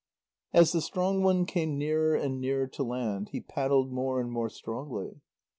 As the strong one came nearer and nearer to land, he paddled more and more strongly.